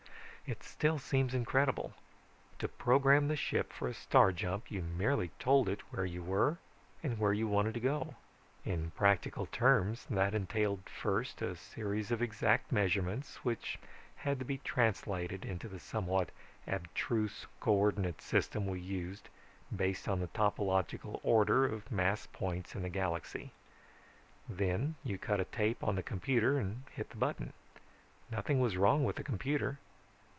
"It still seems incredible. To program the ship for a star jump, you merely told it where you were and where you wanted to go. In practical terms, that entailed first a series of exact measurements which had to be translated into the somewhat abstruse co ordinate system we used based on the topological order of mass points in the galaxy. Then you cut a tape on the computer and hit the button. Nothing was wrong with the computer.